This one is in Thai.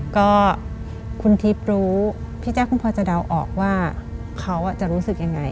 ก็คุณทิพย์รู้พี่แจ๊คคุณพอจะเดาออกว่าเขาจะรู้สึกยังไง